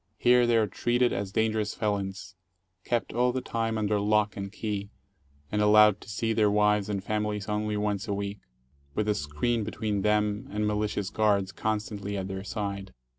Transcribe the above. Here they are treated as dangerous felons, kept all the time under lock and key, and allowed to see their wives and families only once a week, with a screen between them and malicious guards constantly at their side.